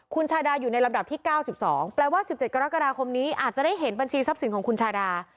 คุณชาดาอยู่ในลำดับที่๙๒แปลว่า๑๗กรกฎาคมนี้อาจจะได้เห็นบัญชีทรัพย์สินของคุณชาดา